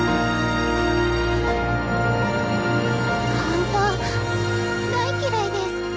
本当大嫌いデス。